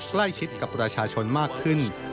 ใกล้ชิดกับประชาชนมากขึ้น